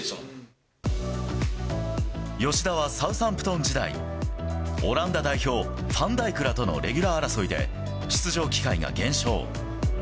吉田はサウサンプトン時代、オランダ代表、ファンダイクらとのレギュラー争いで、出場機会が減少。